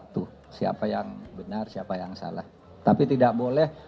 tapi tidak boleh